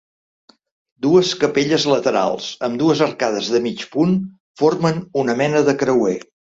Dues capelles laterals, amb dues arcades de mig punt, formen una mena de creuer.